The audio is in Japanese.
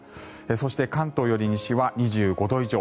そして、関東より西は２５度以上。